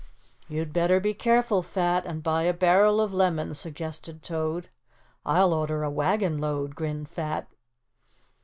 "You'd better be careful, Fat, and buy a barrel of lemons," suggested Toad. "I'll order a wagon load," grinned Fat.